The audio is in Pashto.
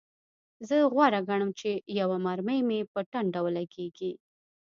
زه غوره ګڼم چې یوه مرمۍ مې په ټنډه ولګیږي